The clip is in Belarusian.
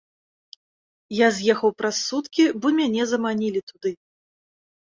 Я з'ехаў праз суткі, бо мяне заманілі туды.